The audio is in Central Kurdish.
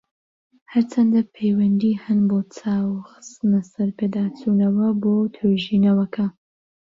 هەرچەندە، پەیوەندی هەن بۆ چاو خستنە سەر پێداچونەوە بۆ توێژینەوەکە.